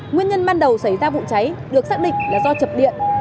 nguyên nhân ban đầu xảy ra vụ cháy được xác định là do chập điện